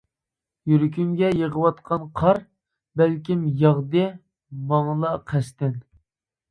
يۈرىكىمگە يېغىۋاتقان قار، بەلكىم ياغدى ماڭىلا قەستەن.